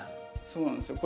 そうなんですよ。